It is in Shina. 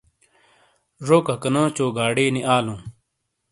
زوککانوچو گاڑی نی آلوں۔